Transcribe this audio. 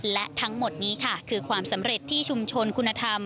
และทั้งหมดนี้ค่ะคือความสำเร็จที่ชุมชนคุณธรรม